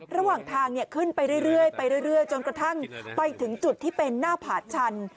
ระหว่างทางขึ้นไปเรื่อยไปเรื่อยจนกระทั่งไปถึงจุดที่เป็นหน้าผาดชัน